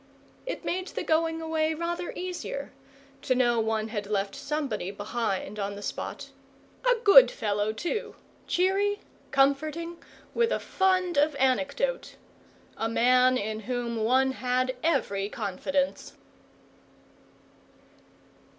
It made the going away rather easier, to know one had left somebody behind on the spot; a good fellow, too, cheery, comforting, with a fund of anecdote; a man in whom one had every confidence.